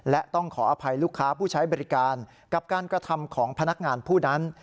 และต้องขออภัยลูกค้าผู้ใช้บริการกับการกระทำของพนักงานผู้นั้น